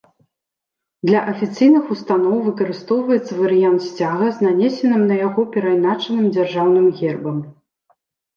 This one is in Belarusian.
Для афіцыйных устаноў выкарыстоўваецца варыянт сцяга з нанесеным на яго перайначаным дзяржаўным гербам.